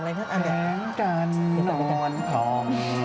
แสงจานนทอง